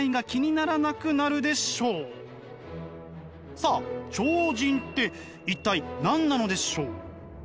さあ超人って一体何なのでしょう？